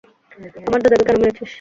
আমার দাদাকে কেন মেরেছিস?